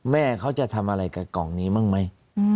แม่เขาจะทำอะไรกับกล่องนี้บ้างไหม